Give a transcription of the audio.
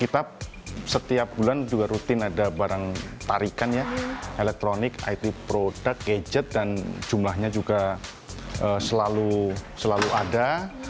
kita setiap bulan juga rutin ada barang tarikan ya elektronik it produk gadget dan jumlahnya juga selalu ada